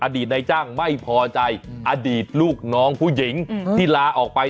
ตนายจ้างไม่พอใจอดีตลูกน้องผู้หญิงที่ลาออกไป